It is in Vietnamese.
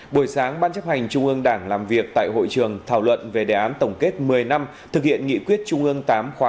buổi sáng ban chấp hành trung ương đảng làm việc tại hội trường thảo luận về đề án tổng kết một mươi năm thực hiện nghị quyết trung ương tám khóa một mươi